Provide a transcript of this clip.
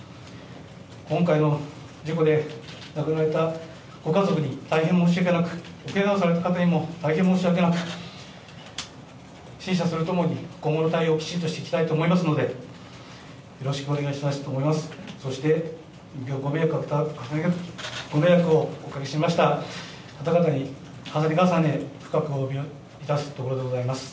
今回の事故で亡くなられたご家族に大変申し訳なく、おけがをされた方にも大変申し訳なく、陳謝するとともに今後の対応をきちんとしていきたいと思いますので、よろしくお願いしたいと思います。